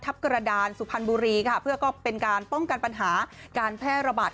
กระดานสุพรรณบุรีค่ะเพื่อก็เป็นการป้องกันปัญหาการแพร่ระบาด